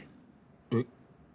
えっ。